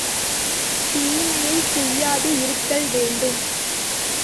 தீமையைச் செய்யாது இருத்தல் வேண்டும்.